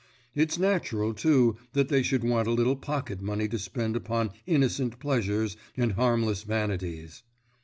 It's natural, too, that they should want a little pocket money to spend upon innocent pleasures and harmless vanities.